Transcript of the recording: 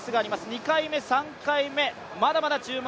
２回目、３回目、まだまだ注目。